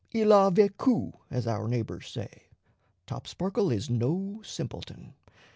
Il a vécu, as our neighbors say: Topsparkle is no simpleton.